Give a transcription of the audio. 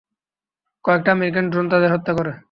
কয়েকটা American drone তাদের হত্যা করে।